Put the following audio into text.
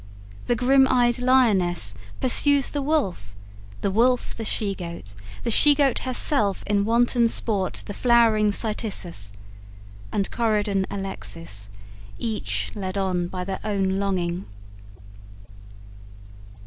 The grim eyed lioness pursues the wolf, The wolf the she goat, the she goat herself In wanton sport the flowering cytisus, And Corydon Alexis, each led on By their own longing.